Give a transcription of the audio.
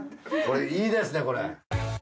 いいですねこれ。